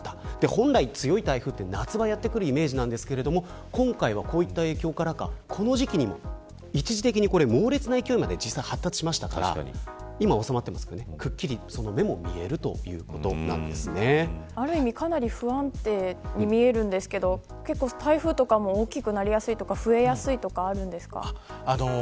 本来、強い台風は夏にやって来るイメージですが今回はこういった影響からか一時的に猛烈な勢いにまで発達しましたから今は収まってますが目もある意味、かなり不安定に見えるんですけど台風とかも大きくなりやすいとか増えやすいとかありますか。